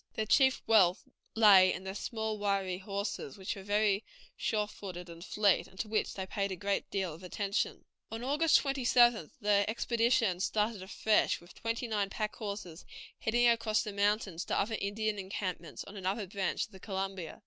Their chief wealth lay in their small, wiry horses, which were very sure footed and fleet, and to which they paid a great deal of attention. On August 27th the expedition started afresh, with twenty nine packhorses, heading across the mountains to other Indian encampments on another branch of the Columbia.